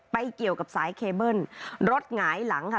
ไปเกี่ยวกับสายเคเบิ้ลรถหงายหลังค่ะ